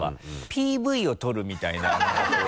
ＰＶを撮るみたいな何かこう。